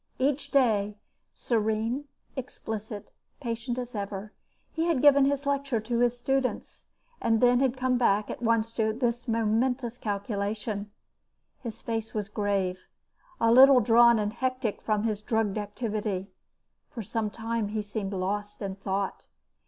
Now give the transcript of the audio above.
Each day, serene, explicit, patient as ever, he had given his lecture to his students, and then had come back at once to this momentous calculation. His face was grave, a little drawn and hectic from his drugged activity. For some time he seemed lost in thought.